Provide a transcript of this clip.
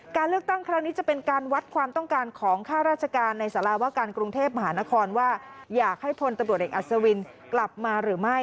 การเลือกตั้งครั้งนี้จะเป็นการวัดความต้องการของข้าราชการในสารวการกรุงเทพมหานครว่าอยากให้พลตำรวจเอกอัศวินกลับมาหรือไม่